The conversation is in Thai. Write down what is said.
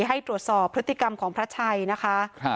ให้ตรวจสอบพฤติกรรมของพระชัยนะคะ